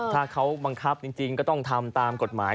ถ้าเขาบังคับจริงก็ต้องทำตามกฎหมาย